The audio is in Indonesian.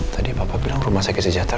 tadi papa bilang rumah sakit sejahtera ya